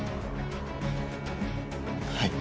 はい。